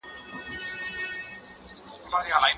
حکومت به خپله سوداګريزه تګلاره ډېر ژر بدله کړي.